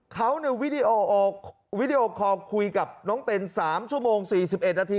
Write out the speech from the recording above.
เขาวิดีโอคอลคุยกับน้องเต้น๓ชั่วโมง๔๑นาที